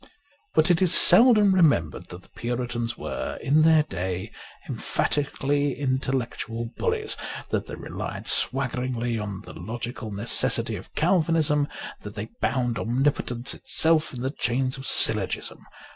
But it is seldom remembered that the Puritans were in their day emphatically in tellectual bullies, that they relied swaggeringly on the logical necessity of Calvinism, that they bound omnipotence itself in the chains of syllogism.